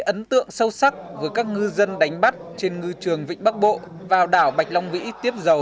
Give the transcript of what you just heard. ấn tượng sâu sắc với các ngư dân đánh bắt trên ngư trường vịnh bắc bộ vào đảo bạch long vĩ tiếp dầu